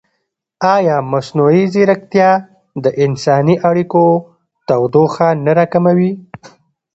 ایا مصنوعي ځیرکتیا د انساني اړیکو تودوخه نه راکموي؟